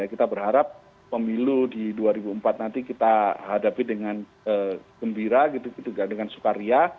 kita berharap pemilu di dua ribu empat nanti kita hadapi dengan gembira gitu dengan sukaria